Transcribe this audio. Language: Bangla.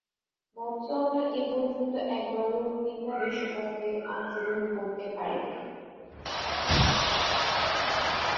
বতসোয়ানা এপর্যন্ত একবারও ফিফা বিশ্বকাপে অংশগ্রহণ করতে পারেনি।